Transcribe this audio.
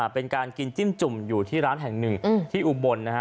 เป็นการกินจิ้มจุ่มอยู่ที่ร้านแห่งหนึ่งที่อุบลนะฮะ